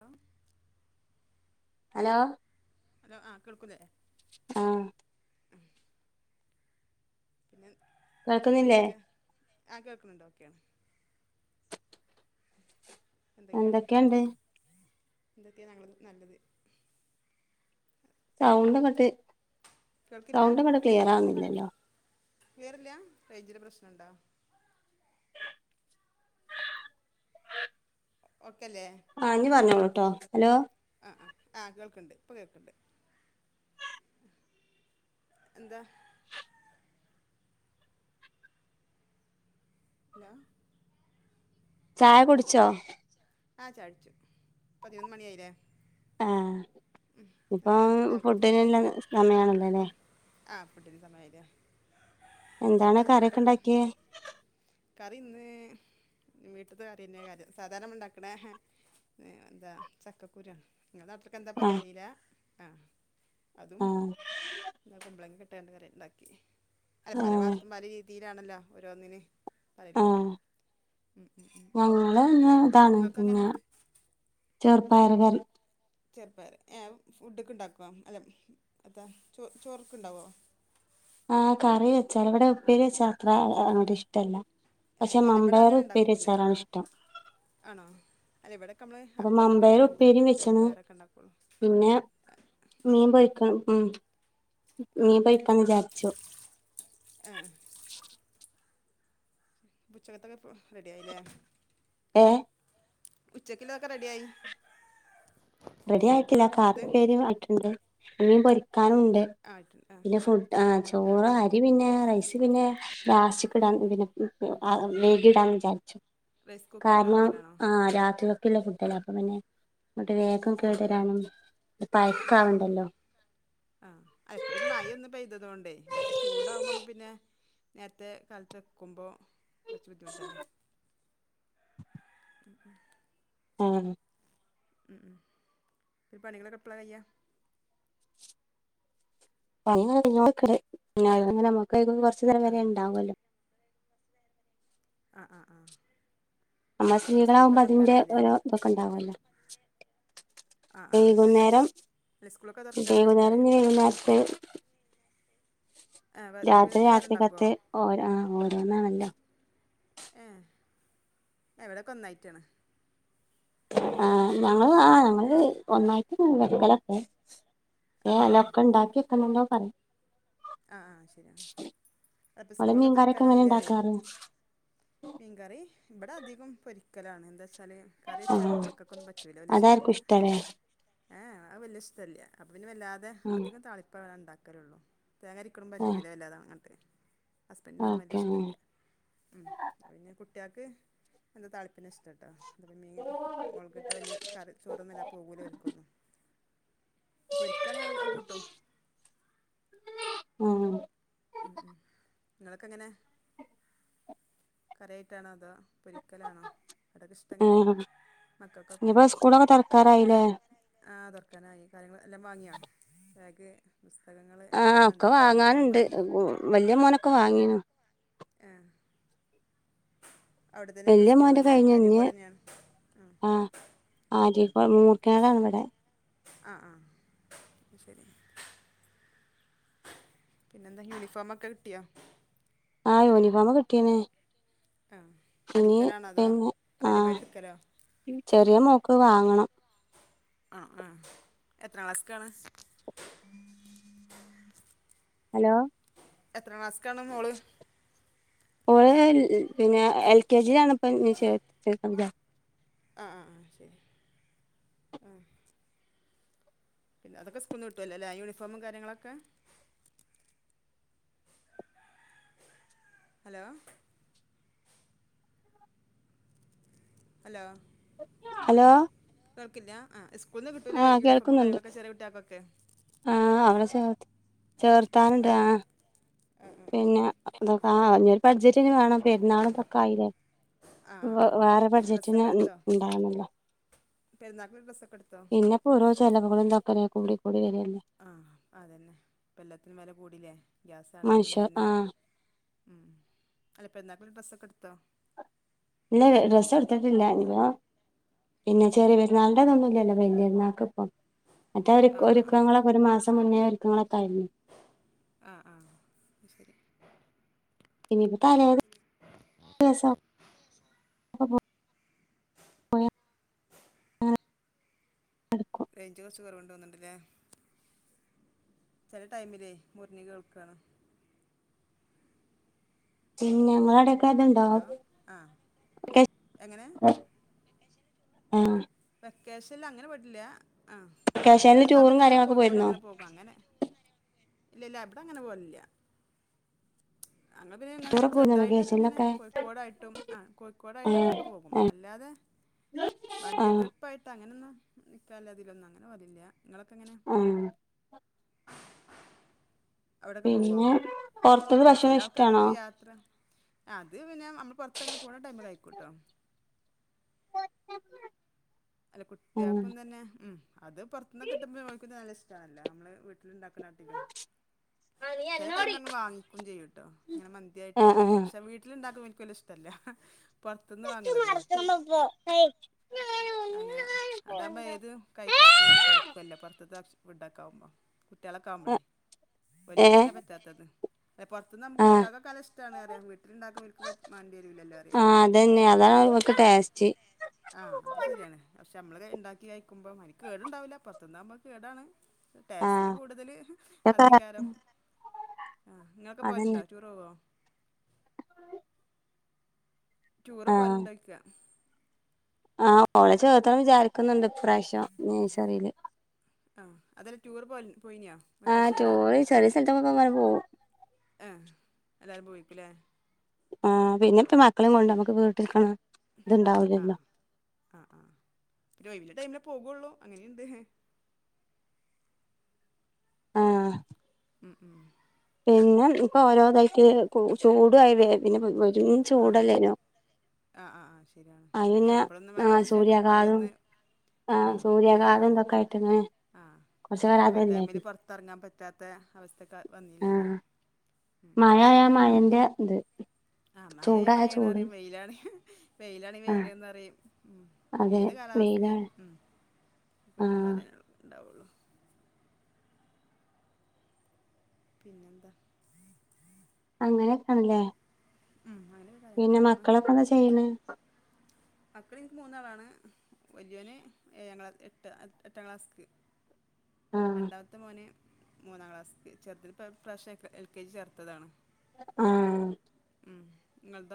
Hello hello hello ആഹ് കേക്കുന്നില്ലേ. ആഹ് പിന്നെ കേൾക്കുന്നില്ലേ എന്തൊക്കെയാ ആഹ് കേക്കുന്നുണ്ട് ഓക്കേ ആണ്. എന്തൊക്കെയാണ് എന്തൊക്കെയുണ്ട് എന്തൊക്കെയാണ് ഞങ്ങള് നല്ലത്. സൗണ്ട് അങ്ങോട്ട് കേൾക്കില്ല സൗണ്ട് അങ്ങോട്ട് ക്ലിയർ ആവുന്നില്ലല്ലോ? ക്ലിയർ അല്ല റേഞ്ചിന്റെ പ്രശ്നം ഉണ്ടോ? ഓക്കേ അല്ലേ. ഇനി പറഞ്ഞോളൂ കേട്ടോ, ഹലോ. ആഹ് ആഹ് ആഹ് കേൾക്കുണ്ട് ഇപ്പ കേൾക്കുണ്ട്. ഉം എന്താ. ഹലോ ചായ കുടിച്ചോ? ആഹ് ചായ കുടിച്ചു, പതിനൊന്ന് മണിയായില്ലേ. ആഹ് ഇപ്പം എന്താ ഫുഡിനുള്ള സമയമാണല്ലോ അല്ലേ. ആഹ് ഫുഡിന്റെ സമയം ആയല്ലേ, എന്താണ് എന്താ കറിയൊക്കെ ഫുഡൊക്കെ ഉണ്ടാക്കിയേ ഉം. കറി ഇന്ന് വീട്ടുത്തെ കറി തന്നെ കാര്യം സാധാരണ ഉണ്ടാക്കണേ. ഏഹ് എന്താ ചക്കക്കുരുയാണ് നിങ്ങളുടെ നാട്ടിക്ക് എന്താ. പറയാൻ ആഹ് അറിയില്ല ആഹ് അതും. ആഹ് എന്താ കുമ്പളങ്ങ കിട്ടാണ്ട് കറി ഉണ്ടാക്കി, അല്ല പല ആഹ് ഭാഗത്തും പല രീതിയിലാണല്ലോ ഓരോന്നിന്ന്. അയില് ആഹ് ഉം ഉം ഉം ഞങ്ങള് ഇന്ന് ഇതാണ് നിങ്ങൾക്ക് എങ്ങനെ. പിന്നെ ചെറുപ്പയർ കറി. ചെറുപ്പയർ ഏഹ് ഫുഡൊക്കെ ഉണ്ടാക്കുവോ അല്ല അതാ ചോ ചോറുയൊക്കെ ഉണ്ടാവോ? ആഹ് കറി വെച്ചാൽ ഇവിടെ ഉപ്പേരി വെച്ചാൽ അത്ര അങ്ങോട് ഇഷ്ടല്ല. ഏ പക്ഷെ അല്ല ഇവിടെ മമ്പാപ്പയർ അങ്ങനെ ഉപ്പേരി ഉണ്ടാക്കൂല വച്ചാണ് ഇഷ്ടം. ആണോ അല്ല ഇവിടെയൊക്കെ നമ്മൾ അപ്പൊ അപ്പത്തേക്കൊക്കെ മമ്പയർ അങ്ങനത്തെ ഉപ്പേരിയും വെച്ച്ണ് ചെറുപ്പയരൊക്കെ ഉണ്ടാക്കുള്ളൂ. പിന്നെ ഉം, മീൻ പൊരിക്കണം ഉം മീൻ പൊരിക്കാന് വിചാരിച്ചു. ആഹ് [inaudible] ഉച്ചയ്ക്കത്തെ ഇപ്പോ റെഡി ആയില്ലേ? ഏഹ് ഉച്ചയ്ക്കത്തെ എല്ലാം റെഡിയായി. റെഡി ആയിട്ടില്ല കാർ എന്നത് പേരെ ആയിട്ടുണ്ട് ഇനി പൊരിക്കാനുണ്ട്. ആ ഇട്ടുണ്ട് ആ പിന്നെ ഫുഡ് ആഹ് ആ ചോറ് ആ അരി പിന്നെ റൈസ് പിന്നെ ലാസ്റ്റ്ക്ക് ഇടാൻ പിന്നെ. ഇപ്പൊ വേദയെടന്ന് വിചാരിച്ചു റൈസ് കുക്കറിൽ കാരണം വെക്കലാണോ ആഹ് രാത്രി. ഉപ്പ് ഇല്ല ഫുഡ്‌ അപ്പൊ പിന്നെ ഇങ്ങോട്ട് വേഗം ആ കേടു ആ വരാനും പഴക്ക ആവുണ്ടല്ലോ. ആഹ് ഇപ്പൊ പിന്നെ മഴ ഒന്ന് പെയ്തുതോണ്ട് മറ്റേ ചൂടാവുമ്പോ നമ്മുക്ക് പിന്നെ. നേരത്തെ കാലത്ത് വക്കുമ്പോൾ. കുറച്ചു ബുദ്ധിമുട്ടല്ലേ, ഉം ഉം. ഉം ഉം ഉം പണികള് എപ്പള കയ്യുക അങ്ങനെക്ക കൊറച്ചു നേരം ആ വരെ ഉണ്ടാാവുമല്ലോ ആഹ് ആഹ് ആഹ് നമ്മൾ പിന്നെ സ്കൂളൊക്കെ സ്ത്രീകളാകുമ്പോ അതിന്റെ തുർക്കാനായില്ലേ ഓരോ ഇതൊക്കെ എന്തൊക്കെ ഉണ്ടാവുമല്ലോ ആഹ് ആഹ് ആഹ് ശരിയാണ് വൈകുന്നേരം അല്ല സ്കൂളൊക്കെ തുറക്കാനായിലെ വൈകുന്നേരം പറിയാ ഇനി വൈകുന്നേരത്തെ ത്ര വൈകുന്നേരത്ത് വേറെ രായാത്ര ഉണ്ടാക്കുമോ കത്ത് ഓ ആഹ് ഓരോന്നാണല്ലോ ഏഹ് എവിടെയൊക്കെ ഒന്നായിട്ടാണ് ആഹ് ഞങ്ങ ആഹ് ഞങ്ങള് ഒന്നായിട്ട വക്കലൊക്കെ ആ ഏഹ് ആ അല്ല ഒക്കെ ഉണ്ടാക്കി ഒക്കല്ലോ പറ ആഹ് ആഹ് ശരിയ ഇപ്പ ഓള് സ്കൂളൊക്കെ മീൻകറിയൊക്കെ എങ്ങനെ തുറക്കാനായില്ലേ പറയാം ഉണ്ടാക്കാറ് മീൻകറി ഇവിടെ അധികം പൊരിക്കലാണ് എന്താ വെച്ചാൽ കറി ആ വെച്ചാലും മക്കൾക്കൊന്നും പറ്റൂല ഒല് ഇഷ്ടല്ല അതായിരിക്കും ഇഷ്ടല്ലേ ഏഹ് അത് വലിയ ഇഷ്ടല്ലേ അപ്പൊ പിന്നെ വല്ലാതെ ആ അധികം താളിപ്പ വേ ഉണ്ടാക്കാരുള്ളൂ തേങ്ങ എക്കും പറ്റല ആ അല്ലാതാ അങ്ങട്ട് ഹസ്ബൻഡിനൊന്നും വല്ല ഓക്കെ ആ ഇഷ്ടമല്ല ഉം പിന്നെ കുട്ടികൾക്ക് എന്താ താളിപ്പന ഇഷ്ടമ കേട്ടോ അത മീൻ മുളകിട്ട വലിയ കറി ചോറൊന്നും മല്ല പൂകൂല വക്കുന്നു പൊരിക്കണെ അവരെ കൂട്ടും ഉം ആഹ് ഉം ഉം നിങ്ങളൊക്കെ എങ്ങനെ കറിയായിട്ടാണോ അതോ പൊരിക്കലാണോ അവിടെയൊക്കെ ഇഷ്ടം എങ്ങനെ ആഹ് മക്കൾക്കൊക്കെ ഇനിപ്പോ സ്കൂളൊക്കെ തുറക്കാറായില്ലേ ആഹ് തുറക്കാനായി കാര്യങ്ങളെല്ലാം വാങ്ങിയാ ബാഗ് പുസ്തകങ്ങൾ എല്ലാം വേണ്ടേ യൂണിഫോമായി വലിയ മോനൊക്കെ വാങ്ങീനു ഏഹ് തന്നെയൊക്കെ വലിയ മോന്റെ സ്കൂളിലല്ലേ കഴിഞ്ഞ് ഇഞ്ഞ് അരീക്കോട് തന്നെയാണ് ആഹ് ആര്യാ പള്ളുമൂക്കിലാണ് ഇവിടെ ആഹ് ആഹ് ശരി പിന്നെന്താ യൂണിഫോമൊക്കെ കിട്ടിയോ ആഹ് യൂണിഫോം കിട്ടിയിന് ആഹ് അടിക്കലാണോ അതോ പിന്നെ ആ റെഡിമേയ്ഡ് എടുക്കലോ ചെറിയ മോക്ക് വാങ്ങണം ആഹ് ആഹ് എത്ര ക്ലാസിക്കാണ് ഹലോ എത്ര ക്ലാസിക്കാണ് മോള് ഓള് പിന്നെ എൽ കെ ജിയിലാണ് ഇപ്പ ഇഞ്ഞി ചേ ആഹ് ആഹ് ആഹ് ശരി ഉം പിന്നെ അതൊക്കെ സ്കൂളിന്ന് കിട്ടുവല്ലേല്ലെ യൂണിഫോമും കാര്യങ്ങളൊക്കെ ഹലോ ഹലോ ഹലോ കേൾക്കില്ല ആഹ് സ്കൂളിൽ നിന്ന് കിട്ടൂല്ലേ ആഹ് യൂണഫോമും കേൾക്കുന്നുണ്ട് കാര്യങ്ങളൊക്കെ ചെറിയ കുട്ടികൾക്കൊക്കെ ആഹ് അവിടെ ചേ ചേർത്താനുണ്ട് ആഹ് ആ ആ പിന്നെ ശരി അതൊക്കെ ആഹ് ഇനിയൊരു ബഡ്ജിറ്റിനി വേണം പെരുന്നാളും ഇതൊക്കെയായില്ലേ ആ ആ വേറെ ബഡ്ജറ്റിന് ഉണ്ടാവുന്നുല്ലാ പെരുന്നാൾക്ക് പിന്നെ ഡ്രസ്സൊക്കെ എടുത്തോ ഇന്നപ്പോ ഓരോ ചെലവുകളും ഇതൊക്കെരെ കൂടി കൂടി വരുവല്ലേ ആഹ് അതന്നെ ഇപ്പ എല്ലാത്തിനും വെല കൂടില്ലേ ഗ്യാസാണെങ്കിലും മനുഷ്യ തന്നെ ആഹ് ഉം അല്ല പെരുന്നാക്ക് പിന്നെ ഡ്രസ്സൊക്കെ എടുത്തോ ഇല്ല ഡ്രസ്സെടുത്തിട്ടില്ല ഇഞ്ഞി [unintelligible] പിന്നെ ചെറിയ പെരുന്നാളിന്റെ ഇതൊന്നുവില്ലല്ലോ വല്യ പെരുന്നാക്കിപ്പം മറ്റേ ഒരുക്ക ആ ആ ഒരുക്കങ്ങളൊക്കെ ഒരു മാസം മുന്നേ ഒരുക്കങ്ങളൊക്കെ കഴിഞ്ഞു ആഹ് ആഹ് അത് ശെരി ഇനിപ്പോ തലേ ദിവസം [unintelligible] പോയാ [inaudible] റേഞ്ച് കൊറച്ച് കൊറവോണ്ട് തോന്ന്ണ്ടില്ലേ ചെല ടൈമിലേ മുറിഞ്ഞു കേൾക്കാണ് പിന്നെ ഞങ്ങളവടെ ഹലോ ക്കെതുണ്ടാവും ആ എങ്ങനെ [inaudible] ആഹ് വെക്കേഷനില് അങ്ങനെ പോയിട്ടില്ല ആഹ് അത് ചെല കേശവനിൽ ടൂറും സമയത്തിങ്ങനെ കാര്യങ്ങളൊക്കെ കോഴിക്കോട് പോയിരുന്നോ അങ്ങനെ പോ കും അങ്ങനെ ഇല്ല ഇല്ല ഇവടെ അങ്ങനെ പോവലില്ല അങ്ങള് പിന്നെ അങ്ങനെ ടൂറൊക്കെ പോയിരുന്നോ ചെറുതായിട്ടൊക്കെ ഇങ്ങനെ കേശവനിലൊക്കെ കോഴിക്കോടായിട്ടും ആഹ് ആ കോഴിക്കോടായിട്ടും അങ്ങനെക്കെ പോകും അല്ലാതെ ആ വൺഡേ ട്രിപ്പായിട്ട് അങ്ങനൊന്നും നിക്കാല അതിലൊന്നും അങ്ങനെ പതിവില്ല നിങ്ങളൊക്കെ എങ്ങനാ? ആഹ് അവടൊക്കെ പോവോ പിന്നെ പുറത്തത്തെ അല്ല ചെല ഭക്ഷണം ആൾക്കാർക്ക് ഇഷ്ടാണോ യാത്ര അത് പിന്നെ നമ്മള് പൊറത്തങ്ങനെ പോണ ടൈമിലായിക്കൂട്ടോ അല്ല ആ കുട്ടിയപ്പം തന്നെ ഉം അത് പൊറത്തുന്ന്ക്കിട്ടുമ്പോ [unintelligible] നല്ല ഇഷ്ടണല്ലോ നമ്മള് വീട്ടിലിണ്ടാക്കണട്ടിലും ചെല ടൈം [unintelligible] വാങ്ങിക്കും ചെയ്യൂട്ടോ ങ്ങനെ ആ മന്തിയായിട്ടും ഷേ വീട്ടിലുണ്ടാക്കും എനിക്ക് വല്യ ഇഷ് ട്ടല്ല പൊറത്തുന്ന് വാങ്ങണതേ അങ്ങനെ അതാമ്പോ ഏത് കഴിക്കാത്ത ഓലും കഴിക്കുവല്ലോ പൊറത്തത്തെ ഫുഡൊക്കെ ആവുമ്പം കുട്ടികളൊക്കെ ആ ആവുമ്പളേ ഏ വല്യോർക്കല്ലേ പറ്റാത്തത് പൊറത്തുന്ന് ആമ്പേ ആ കുട്ട്യാൾക്കെക്കെ നല്ല ഇഷ്ടണ്റയാ വീട്ടിലണ്ടാക്കുമ്പോ ഓല്ക്ക് മാണ്ടി വരുലല്ലോ അറയാ ആ അതന്നെ അതാണ് ഇവർക്ക് ടേസ്റ്റ് ആഹ് അത് ശെരിയാണ് പഷേ ഞമ്മള് ഇണ്ടാക്കി കയിക്കുമ്പോ അയിന് കേടുണ്ടാവില്ല പൊറത്തുന്നാവുമ്പോ കേടാണ് ആ ട്ടേസ്റ്റില് കൂടുതല് ഇതൊക്കെ അതേക്കാരം ആഹ് ഇങ്ങക്ക് അതന്നെ പോകലുണ്ടോ ടൂറ് പോവോ ടൂറ് പോവലോണ്ടോയ്ക്കാ ആഹ് ഓളെ ചേർത്തണം വിചാരിക്ക്ന്ന്ണ്ട് ഇപ്രശ്യം നെസറില് ആഹ് അതല്ല ടൂർ പോ പോയിനിയാ ആ വെക്കേഷനില് ടൂറ് ചെറിയ സ്ഥലത്തൊക്കെ അങ്ങനെ പോവും ഏഹ് എല്ലാരും പോയിക്കുലേ ആഹ് പിന്നെപ്പ മക്കളും കൊണ്ട നമ്മുക്ക് വീട്ടി [unintelligible] ക്കണ് ആഹ് ആഹ് ആഹ് [unintelligible] ടൈമിലെ പോകുള്ളൂ അങ്ങനെയ്ണ്ട് ആഹ് മ്മ് മ്മ് പിന്നെ ഇപ്പോ ഓരോതായിട്ട് ചൂടു ആയി [unintelligible] ചൂടല്ലേനോ ആഹ് ആഹ് ആഹ് ശെരിയാണ് അയിന് പിന്നെ എപ്പോഴൊന്ന് ആഹ് കൊറച്ചായിട്ടൊന്ന് സൂര്യാഘാതം മഴേയൊന്ന് ആഹ് ഉം സൂര്യാഘാതം പെയ്തത് ഇതൊക്കെ ആയിട്ട് ഇങ്ങനെ ആഹ് കുറച്ച് ആഹ് കാലം പകല് ടൈമില് അതല്ലായിരുന്നു പൊ ത്തെറങ്ങാൻ പറ്റാത്ത അവസ്ഥക്കെ ആഹ് മായായ മഴേന്റെ ഇത് ആഹ് മഴയായ ചൂടായ മഴയാണ് ചൂട് അറയും വെയിലാണെ വെയിലാണെ ആഹ് വെയിലന്ന്റയും ഉം അതെ ഏത് കാലവസ്ഥി വെയിലാണ് ഉം കുറ്റം ആഹ് പറയാന എളുപ്പണ്ടാവുള്ളൂ പിന്നെന്താ അങ്ങനെയൊക്കാണ്ല്ലേ ഉം അങ്ങനെ കാര്യങ്ങൾ പിന്നെ പോണു മക്കളൊക്കെ എന്താ ചെയ്യണെ? മക്കള് ഇൻക്ക് മൂന്നാളാണ്. വല്യോന് ഏഴാം ക്ലാസ് എട്ട് എട്ടാം ക്ലാസ്ക്ക് ആഹ് രണ്ടാമത്തെ മോന് മൂന്നാം ക്ലാസ്ക്ക്. ചെർതിൽപ്പം പ്രാശ്യം ക് എൽ കെ ജി ചേർത്തതാണ്. ആഹ് ഉം ഇങ്ങൾതോ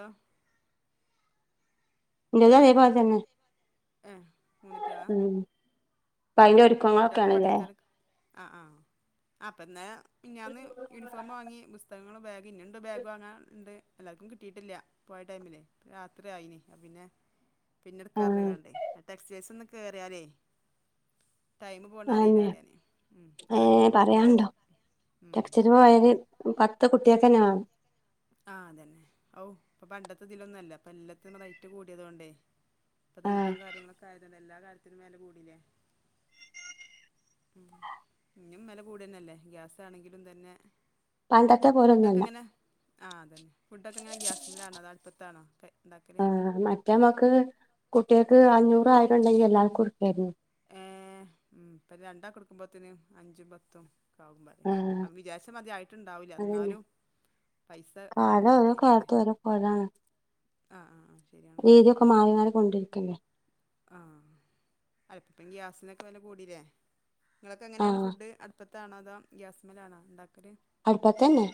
ഇന്റതും അതേ പോൽ തന്നെ ഏഹ് മൂന്നുട്ട്യേളാ? ഉം ഇപ്പൊ ഉം അയിന്റെ ഉം കുട്ട്യോക്കെ ഒരുക്കങ്ങളൊക്കെയാണല്ലേ പഠിക്കാനൊക്കെ ആഹ് ആഹ് അപ്പന്ന് മിഞ്ഞാന്ന് യൂണിഫോമ് വാങ്ങി ബുസ് പുസ്തകങ്ങളും ബാഗ് ഇന്ന്ണ്ട് ബാഗ് വാങ്ങാൻ ഇണ്ട് എല്ലാർക്കും കിട്ടിയിട്ടില്ല. പോയ ടൈമിലെ രാത്രി ആയിനി അ പിന്നെ ആഹ് പിന്നെട്ക്കർഞ്ങ്ങാണ്ടെ ആ ടെക്സൈസ് ഒന്ന് കേറിയാലേ അന്നെ അറിയാന് ഉം സാധനം ഏഹ് കിട്ടൂല്ല പറയാണ്ടോ ഉം ടെക്ച്ചയ്ച്ച് അത് പോയാല് പിന്നെ പത്ത് കുട്ടിയക്കെന്നെ മാണം ആഹ് അതന്നെ അവ് ഇപ്പൊ പണ്ടത്തെതിലൊന്നുല്ല ഇപ്പ എല്ലത്തും റൈറ്റ് കൂടിയതോണ്ടേ പ്പത ഇതും ആഹ് കാര്യങ്ങളൊക്കെ ആയതുണ്ട് എല്ലാ കാര്യത്തിനും മേല കൂടില്ലേ ഉം ഇഞ്ഞും മെല കൂടന്നല്ലേ ഗ്യാസ് ആണെങ്കിലും തന്നെ പണ്ടത്തെ ഫുഡ് പോലൊന്നല്ല ഒക്കെങ്ങനെ ആഹ് അതന്നെ ഫുഡ് ഒക്കെങ്ങനെ ഗ്യാസ്മലാണോ അതോ അട്പ്പത്താണോ ക്കെ ഇണ്ടാക്കല്? ആഹ് മറ്റേമക്ക് കുട്ട്യേക്ക് അഞ്ഞൂറോ ആയിരോ ഇണ്ടെങ്കി എല്ലാർക്കും ഇട്ക്കേനി ഏഹ് ഉം ഇപ്പ രണ്ടാക്ക് ഇട്ക്കുമ്പോത്തിന് അഞ്ചും പത്തും കാവും പറിയാ. ആഹ് അ വിചാര്ച്ചമാതിരി ആയിട്ടുണ്ടാവുല അതന്നെ ഇന്നാലും പൈസ കാലം ഓരോ കാണുംന്നറിലാറിയ കാലത്ത് ഓരോ പോലാണ് ആഹ്‌ ആഹ്‌ ആഹ് ശരിയാണ് പ്പ മാറി മാറി കൊണ്ടിരിക്കല്ലേ ആഹ്‌ അപ്പം ഗ്യാസിനൊക്കെ വെല കൂടീല്ലേ. നിങ്ങളൊക്ക എങ്ങനെയാണ് ആഹ് ഫുഡ് അടുപ്പ ത്താണോ അതോ ഗ്യാസിമ്മലാണോ ഉണ്ടാക്കല്? അട്പ്പത്തന്നെ.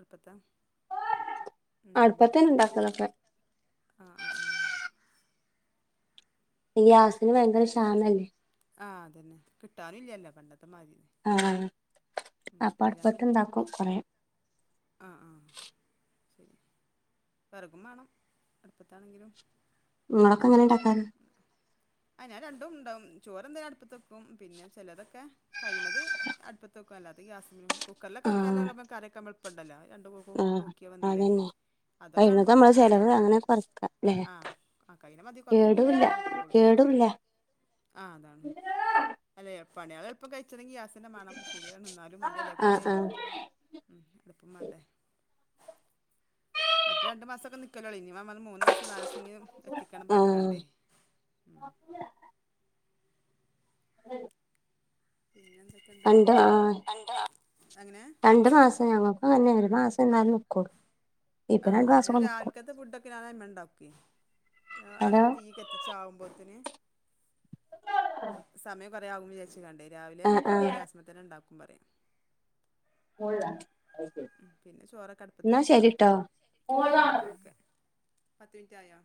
അട്പ്പത്താ? ഉം ഉം അടുപ്പത്തന്നെ ഉണ്ടാക്കലൊക്കെ ആഹ്‌ ആഹ്‌ ആഹ്‌ ഗ്യാസിന് ഭയങ്കര ക്ഷാമല്ലേ ആഹ് അതെന്നെ കിട്ടാനില്ല്യല്ലോ പണ്ടത്തമാതിരി ആഹ്‌ അപ്പടുപ്പത്തുണ്ടാക്കും കൊറേ ആഹ്‌ ആഹ്‌ വെറകും മാണം അടുപ്പത്താണെങ്കിലും. ഇങ്ങളൊക്ക എങ്ങനാ ഇണ്ടാക്കാ അഹ്‌ ഞാൻ രണ്ടും ഉണ്ടാവും ചോറെന്താൻ അടുപ്പത്ത് വെക്കും പിന്നെ ചെലതൊക്കെ കഴിണത് അടുപ്പത്ത് വക്കും അല്ലാത്ത ഗ്യാസും കുക്കറിലൊക്ക ആഹ് വെക്കാലകമ്മ കറിയക്കമ്മളുപ്പണ്ടല്ലാ രണ്ട് കൂ പു ആഹ് പൂക്കിയാ വെന്തിലേ അതന്നെ കഴിയുന്നത് അതൊക്കാവുമ്പം നമ്മളെ ചെലവ് കുക്കറില്ലങ്ങട്ട് അങ്ങനെ ഇടും. കൊറക്ക ആഹ്‌ ആഹ്‌ കയ്ന മതി കൊ ടൂല്ല കേടുല്ല ആഹ് അതാണ്‌ അല്ലെ പണിയള് എളുപ്പം കഴിച്ചെണങ്ങി ഗ്യാസ് ന്നെ മാണം ശരിയാണ് ഇന്നാലും അയിന്റെ ആഹ് എടേകൂടെയ് ആഹ് ഉം അടുപ്പം മാണ്ടേ മറ്റേ രണ്ട് മാസൊക്ക നിക്കലൊള്ളേനി ണ് ഇനി വ പറഞ്ഞ് മൂന്ന് മാസം നാലസം എങ്കിലും എത്തിക്കണം ആഹ് പറഞ്ഞിക്കാണ്ടേ ഉം പിന്നെ എന്തൊക്കെണ്ട് പണ്ട് എന്തോ എങ്ങനെ രണ്ട് മാസ് ത്ത് ഞങ്ങക്കും അങ്ങെൻന്നേ ഒരു മാസം എന്നാലും നിക്കൊ ആഹ്‌ അത് രാവിലക്കത്തെ ഫുഡൊക്കെ ഞാ അയിമ്മേ ണ്ടാക്കോയ് ആഹ് ഹലോ അടുപ്പ് തീ കത്തി ചാവുമ്പോത്തിന് അഹ് സമയം കൊറെയാവും വിചാരിച്ചങ്ങാണ്ടേ രാവിലെ ആഹ് ഗ്യാസ്മ്മെ തന്നെണ്ടാക്കും പറയ ഉം പിന്നെ ചോറൊക്കെ അടുപ്പത്താ എന്നാ വെക്കാറ് ശരിട്ടോ ആഹ്‌ ന്നാ ഓക്കെ പത്ത് മിൻറ്റായോ